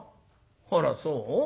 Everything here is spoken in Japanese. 「あらそう？